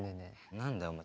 何だよお前。